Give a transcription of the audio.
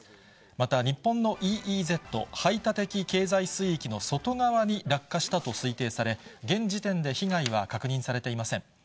また日本のＥＥＺ・排他的経済水域の外側に落下したと推定され、現時点で被害は確認されていません。